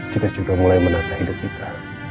kita sudah mulai menata hidup kita